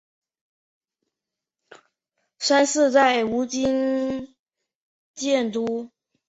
阇耶跋摩三世在吴哥城建都。